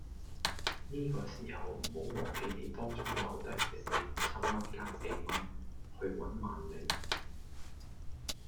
呢個時候唔好忘記你當初留低既四十七蚊加四蚊，去搵萬里